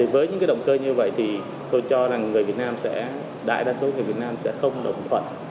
với những động cơ như vậy tôi cho đại đa số người việt nam sẽ không đồng thuận